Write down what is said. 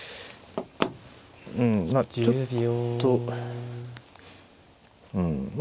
うんまあちょっとうんまあ